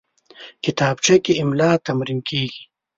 کتابچه کې املا تمرین کېږي